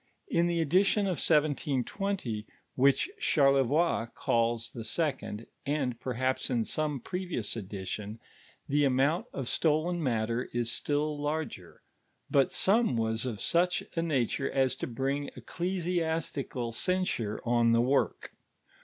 In the edition of 1720, which Ciinrlevoix calls the second, and, perhaps, in some previous edition the amount of stolen mutter is still larger ; but some was of such a nature as to bring eeelesiustical censure on the work.